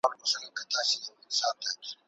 پوهان د نوي نسل روزنې ته پام کوي.